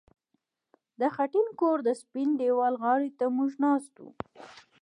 د خټین کور د سپین دېوال غاړې ته موږ ناست وو